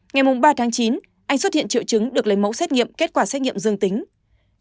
ngày ba tháng chín anh xuất hiện triệu chứng được lấy mẫu xét nghiệm kết quả xét nghiệm dương tính